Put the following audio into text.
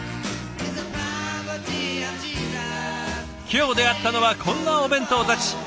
今日出会ったのはこんなお弁当たち。